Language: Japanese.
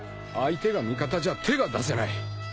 相手が味方じゃ手が出せない。